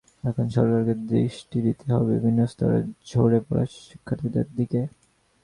এখন সরকারকে দৃষ্টি দিতে হবে বিভিন্ন স্তরে ঝরে পড়া শিক্ষার্থীদের দিকে।